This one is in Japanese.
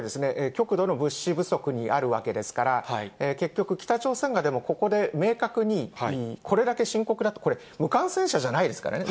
極度の物資不足にあるわけですから、結局、北朝鮮がでも、ここで明確にこれだけ深刻だと、これ、無感染者じゃないですからね。